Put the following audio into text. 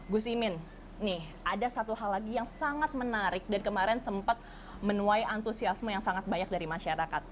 gus imin nih ada satu hal lagi yang sangat menarik dan kemarin sempat menuai antusiasme yang sangat banyak dari masyarakat